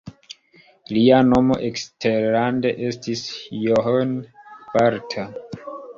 Lia nomo eksterlande estis John Bartha.